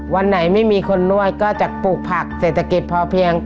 วันไหนไม่มีคนนวดก็จะปลูกผักเศรษฐกิจพอเพียง